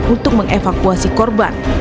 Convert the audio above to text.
untuk mengevakuasi korban